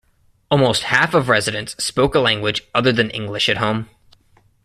Almost half of residents spoke a language other than English at home.